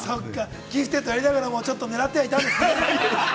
◆「ギフテッド」やりながらも狙ってはいたんですね。